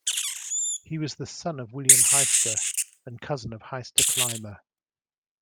He was the son of William Hiester and cousin of Hiester Clymer.